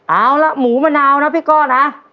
เอาล่ะหมูมะนาวนะพี่ก้อนะ